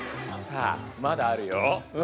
さあまだあるよ。